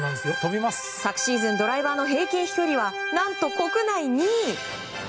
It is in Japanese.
昨シーズンドライバーの平均飛距離は何と、国内２位。